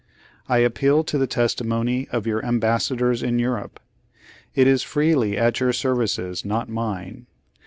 I appeal to the testimony of your Ambas sadors in Europe. It is freely at your service, not mine.